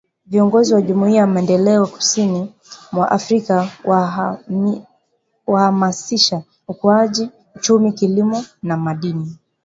Viongozi wa Jumuiya ya Maendeleo Kusini mwa Afrika wahamasisha ukuaji uchumi Kilimo na Madini